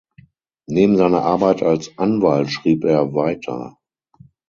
Neben seiner Arbeit als Anwalt schrieb er weiter.